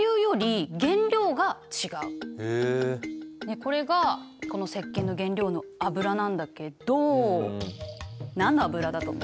これがこのせっけんの原料の油なんだけど何の油だと思う？